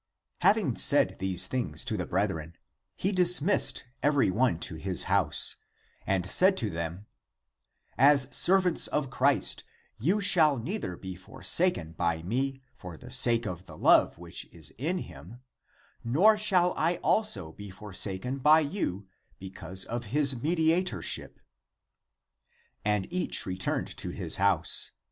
Having said these things to the brethren, he dismissed every one to his house, and said to them, " As servants of Christ you shall neither be for saken by me for the sake of the love which is in him, nor shall I also be forsaken by you because of his mediatorship." And each returned to his house.